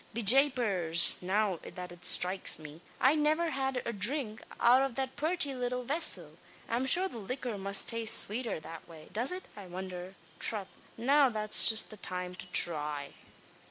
Be japers! now that it stroikes me, I niver had a dhrink out av that purty little vessel. I'm shure the liquor must taste swater that way. Does it, I wondher trath, now's just the time to thry."